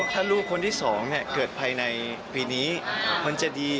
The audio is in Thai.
ถ้าลูกคนที่สองเกิดภายในปีนี้